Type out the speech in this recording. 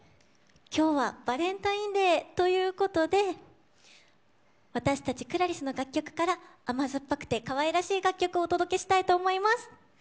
きょうはバレンタインデーということで私たちＣｌａｒｉＳの楽曲から甘酸っぱくてかわいらしい楽曲をお届けしたいと思います。